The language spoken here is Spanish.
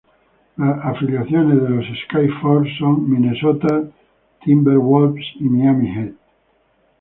Las afiliaciones de los Skyforce son Minnesota Timberwolves y Miami Heat.